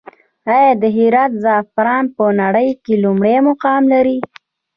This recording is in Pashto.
آیا د هرات زعفران په نړۍ کې لومړی مقام لري؟